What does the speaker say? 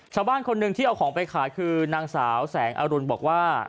ชาวบ้านคนหนึ่งที่เอาของไปขายคือนางสาวแสงอรุณบอกว่า